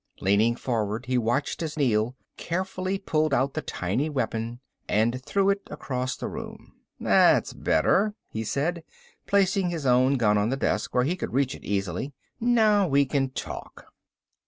Leaning forward he watched as Neel carefully pulled out the tiny weapon and threw it across the room. "That's better," he said, placing his own gun on the desk where he could reach it easily. "Now we can talk."